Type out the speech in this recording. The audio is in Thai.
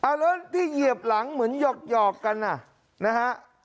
แล้วที่เหยียบหลังเหมือนหยอกกันอ่ะนะฮะ